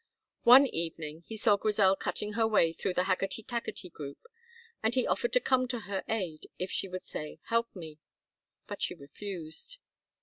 One evening he saw Grizel cutting her way through the Haggerty Taggerty group, and he offered to come to her aid if she would say "Help me." But she refused.